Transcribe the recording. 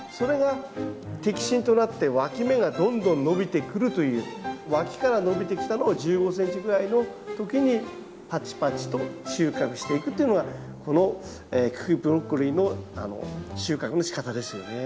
それが摘心となってわきから伸びてきたのを１５ｃｍぐらいの時にパチパチと収穫していくっていうのがこの茎ブロッコリーの収穫のしかたですよね。